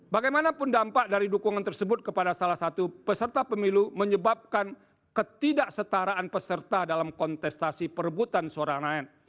bagaimanapun dampak dari dukungan tersebut kepada salah satu peserta pemilu menyebabkan ketidaksetaraan peserta dalam kontestasi perebutan suara rakyat